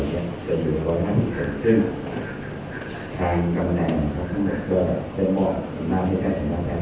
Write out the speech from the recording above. กรรมทิศาสตร์ก็คือท่านบริษัทจะเป็นผู้มีเสียงศึกษา